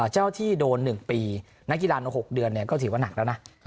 เจ้าที่โดน๑ปีนักกีฬาใน๖เดือนก็ถือว่าหนักแล้วนะ